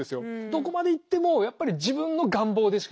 どこまでいってもやっぱり自分の願望でしかなくて。